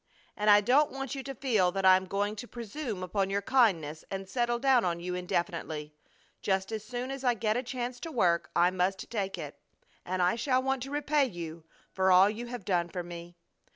And I don't want you to feel that I am going to presume upon your kindness and settle down on you indefinitely. Just as soon as I get a chance to work I must take it, and I shall want to repay you for all you have done for me.